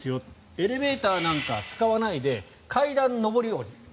エレベーターなんか使わないで階段で上り下り。